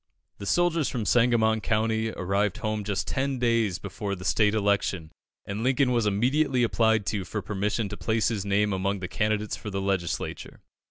The soldiers from Sangamon County arrived home just ten days before the State election, and Lincoln was immediately applied to for permission to place his name among the candidates for the Legislature.